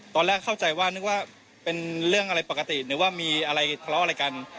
ตอนแรกเข้าใจว่านึกว่าเป็นเรื่องอะไรปกติหรือว่ามีอะไรทะเลาะอะไรกัน